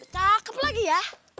cakep lagi ya